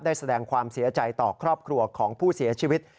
แสดงความเสียใจต่อครอบครัวของผู้เสียชีวิต